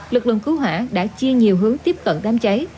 lực lượng cứu hỏa đã chia nhiều hướng tiếp cận đám cháy